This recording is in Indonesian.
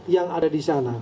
yang ada di sana